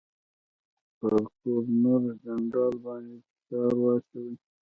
پر ګورنرجنرال باندي فشار واچوي.